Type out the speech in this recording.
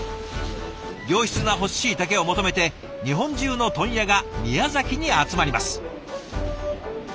良質な乾しいたけを求めて日本中の問屋が宮崎に集まります。